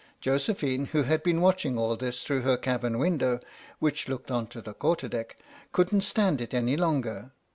Josephine, who had been watching all this through her cabin window (which looked on to the quarter deck), couldn't stand it any longer.